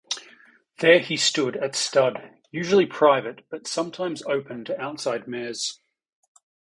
There he stood at stud, usually private but sometimes open to outside mares.